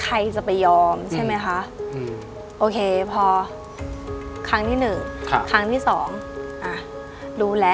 ใครจะไปยอมใช่ไหมคะโอเคพอครั้งที่หนึ่งครั้งที่สองอ่ะรู้แล้ว